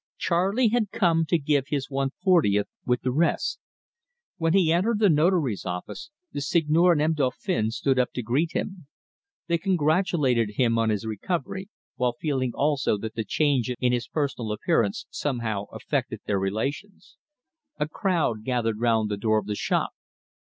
Charley had come to give his one fortieth with the rest. When he entered the Notary's office, the Seigneur and M. Dauphin stood up to greet him. They congratulated him on his recovery, while feeling also that the change in his personal appearance somehow affected their relations. A crowd gathered round the door of the shop.